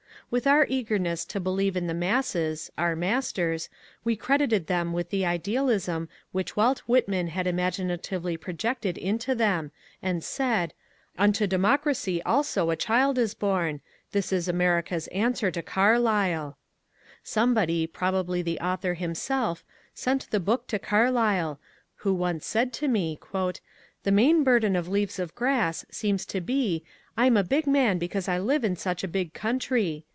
With our eagerness to believe in the masses — our masters — we credited them with j the idealism which Walt Whitman had imaginatively projected into them, and said, Unto Democracy also a child is bom I • This is America's answer to Carlyle I " Somebody, probably I the author himself, sent the book to Carlyle, who once said to me, ^^ The main burden of * Leaves of Grass ' seems to be .^ I 'm a big man because I live in such a big country